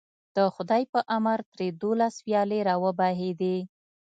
د خدای په امر ترې دولس ویالې راوبهېدې.